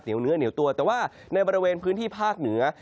เนื้อเหนียวตัวแต่ว่าในบริเวณพื้นที่ภาคเหนือ